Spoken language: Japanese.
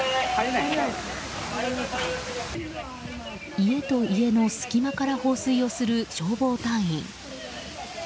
家と家の隙間から放水をする消防隊員。